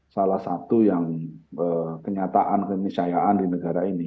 salah satu yang kenyataan kenisayaan di negara ini